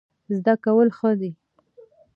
زده کول ښه دی.